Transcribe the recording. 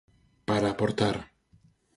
Para aportar.